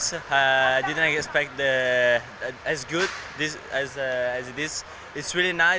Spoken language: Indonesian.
saya tidak mengharapkan sebaik ini